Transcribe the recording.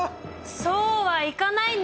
そうはいかないんだよ